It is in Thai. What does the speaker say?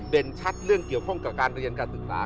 ชัดเรื่องเกี่ยวข้องกับการเรียนการศึกษา